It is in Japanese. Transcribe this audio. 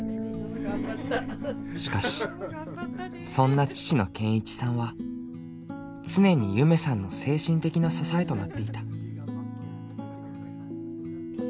しかしそんな父の健一さんは常に夢さんの精神的な支えとなっていた。